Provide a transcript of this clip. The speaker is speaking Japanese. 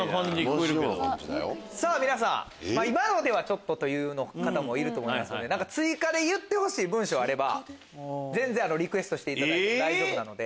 今のではちょっとという方もいると思いますので追加で言ってほしい文章あればリクエストしていただいて大丈夫なので。